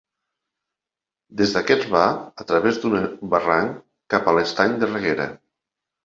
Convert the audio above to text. Des d'aquest va, a través d'un barranc, cap a l'Estany de Reguera.